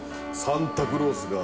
サンタクロースが。